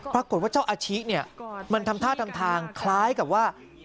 ปรากฏว่าเจ้าอาชิเนี่ยมันทำท่าทำทางคล้ายกับว่า